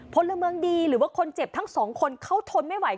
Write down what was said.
พลเมืองดีหรือว่าคนเจ็บทั้งสองคนเขาทนไม่ไหว